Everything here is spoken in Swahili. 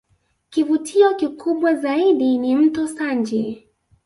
Kivutio kikubwa zaidi ni Mto Sanje